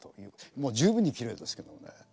もう十分にきれいですけどもね。